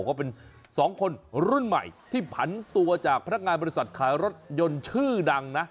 ก็เป็น๒คนรุ่นใหม่ที่ผันตัวจากพนักงานบริษัทขายรถยนต์ชื่อดังนะ